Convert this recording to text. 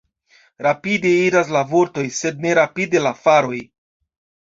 Rapide iras la vortoj, sed ne rapide la faroj.